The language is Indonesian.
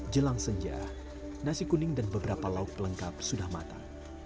jelang senja nasi kuning dan beberapa lauk pelengkap sudah matang